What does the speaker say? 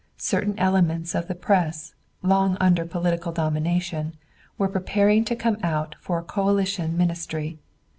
Certain elements of the press, long under political dominion, were preparing to come out for a coalition ministry.